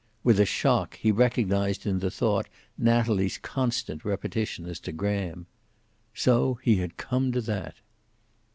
With a shock, he recognized in the thought Natalie's constant repetition as to Graham. So he had come to that!